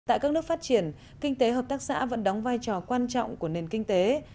tại các nước phát triển kinh tế hợp tác xã vẫn đóng vai trò quan trọng của nền kinh tế